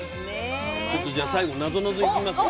ちょっとじゃあ最後なぞなぞいきますよ。